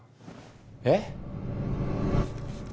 えっ？